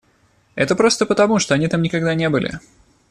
Это просто потому, что они там никогда не были.